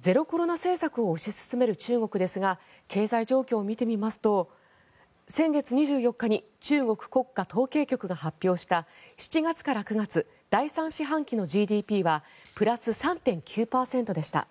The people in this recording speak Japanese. ゼロコロナ政策を推し進める中国ですが経済状況を見てみますと先月２４日に中国国家統計局が発表した７月から９月第３四半期のＧＤＰはプラス３．９％でした。